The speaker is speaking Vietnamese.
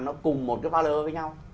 nó cùng một cái valor với nhau